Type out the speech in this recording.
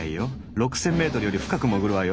６，０００ｍより深く潜るわよ。